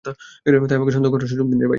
তাই আমাকে সন্দেহ করার সুযোগ দিন।